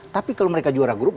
tapi kalau mereka juara grup